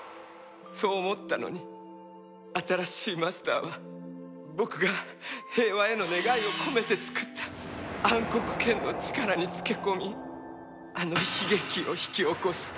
そう思ったのに新しいマスターは僕が平和への願いを込めて作った闇黒剣の力につけ込みあの悲劇を引き起こした。